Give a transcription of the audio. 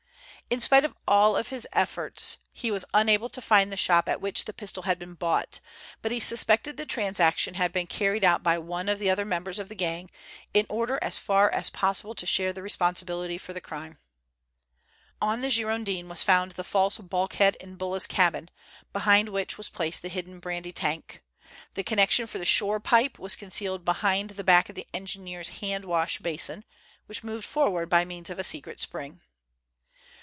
In spite of all his efforts he was unable to find the shop at which the pistol had been bought, but he suspected the transaction had been carried out by one of the other members of the gang, in order as far as possible to share the responsibility for the crime. On the Girondin was found the false bulkhead in Bulla's cabin, behind which was placed the hidden brandy tank. The connection for the shore pipe was concealed behind the back of the engineer's wash hand basin, which moved forward by means of a secret spring.